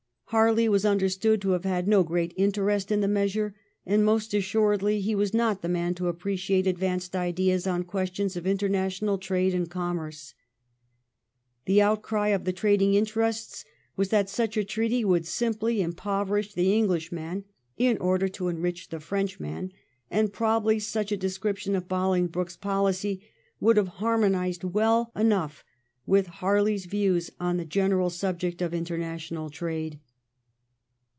Harley was understood to have had no great interest in the measure, and most assuredly he was not the man to appreciate advanced ideas on questions of inter national trade and commerce. The outcry of the trading interests was that such a treaty would simply impoverish the Englishman in order to enrich the Frenchman, and probably such a description of Bolingbroke's policy would have harmonised well enough with Harley 's views on the general subject of international trade.